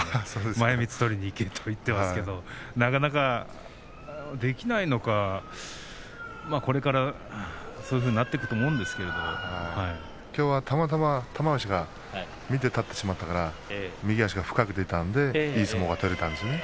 前みつ取りにいけと言ってますけど、なかなかできないのかこれから、そういうふうにきょうは、たまたま玉鷲が見て立ってしまったから右足が深く出たのでいい相撲が取れたんですね。